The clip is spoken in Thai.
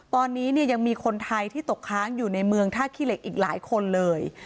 ตอนนี้เนี่ยยังมีคนไทยที่ตกค้างอยู่ในเมืองท่าขี้เหล็กอีกหลายคนเลย